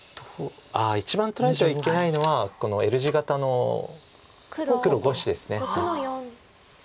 ああ一番取られてはいけないのはこのＬ字型の黒５子です。